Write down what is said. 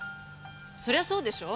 そりゃそうでしょ。